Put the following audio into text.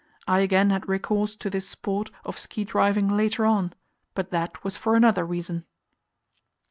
I again had recourse to this "sport" of ski driving later on, but that was for another reason.